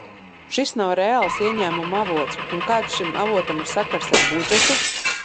Šis nav reāls ieņēmumu avots, un kāds šim avotam ir sakars ar budžetu?